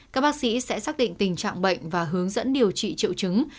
các bác sĩ sẽ xác định tình trạng bệnh và hướng dẫn điều trị triệu chứng